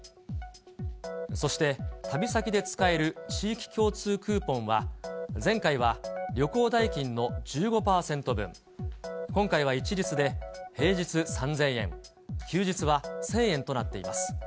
そして、旅先で使える地域共通クーポンは、前回は旅行代金の１５％分、今回は一律で平日３０００円、休日は１０００円となっています。